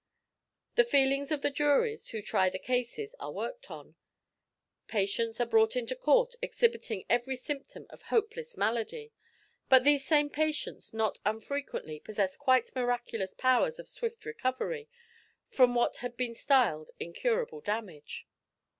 The feelings of the juries who try the cases are worked on; patients are brought into Court exhibiting every symptom of hopeless malady, but these same patients not unfrequently possess quite miraculous powers of swift recovery, from what had been styled "incurable damage."